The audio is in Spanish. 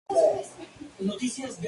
Una tercera manga, ilustrada por el No.